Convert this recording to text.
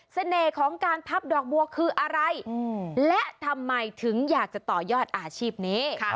ของการพับดอกบัวคืออะไรและทำไมถึงอยากจะต่อยอดอาชีพนี้